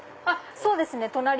そうですね。